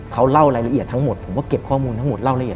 เขาเล่ารายละเอียดทั้งหมดผมก็เก็บข้อมูลทั้งหมดเล่าละเอียด